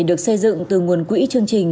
được xây dựng từ nguồn quỹ chương trình